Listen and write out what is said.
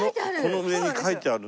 この上に書いてある。